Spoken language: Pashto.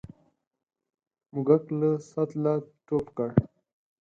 موږک له سطله ټوپ کړ.